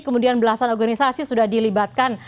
kemudian belasan organisasi sudah dilibatkan